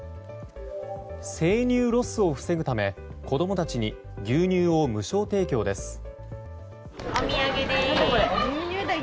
生乳ロスを防ぐため子供たちに牛乳を無償提供です。